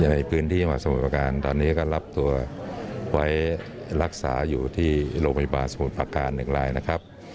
ในพื้นที่จังหวัดสมุทรประการตอนนี้ก็รับตัวไว้รักษาอยู่ที่โรงพยาบาลสมุทรประการ๑รายนะครับ